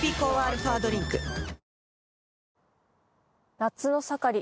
夏の盛り